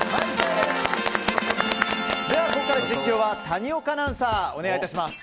ここから実況は谷岡アナウンサーお願いいたします。